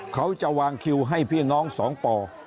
เขาจะวางคิวให้พี่น้อง๒ป่อ